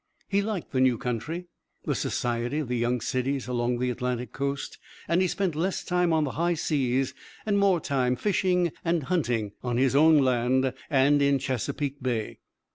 He liked the new country, the society of the young cities along the Atlantic coast, and he spent less time on the high seas and more time fishing and hunting on his own land and in Chesapeake Bay.